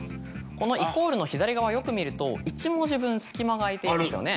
このイコールの左側よく見ると１文字分隙間が空いていますよね。